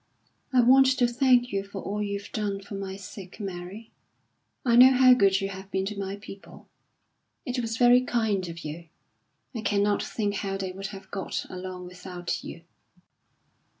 "I want to thank you for all you've done for my sake, Mary. I know how good you have been to my people; it was very kind of you. I cannot think how they would have got along without you."